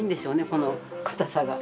この硬さが。